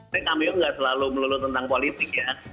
tapi kami juga gak selalu melulu tentang politik ya